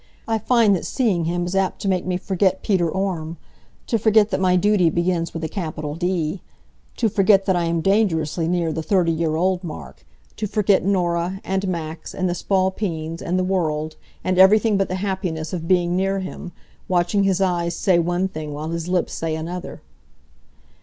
I find that seeing him is apt to make me forget Peter Orme; to forget that my duty begins with a capital D; to forget that I am dangerously near the thirty year old mark; to forget Norah, and Max, and the Spalpeens, and the world, and everything but the happiness of being near him, watching his eyes say one thing while his lips say another.